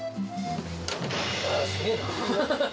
わ、すげえな。